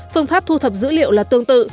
phương pháp thu thập dữ liệu là tương tự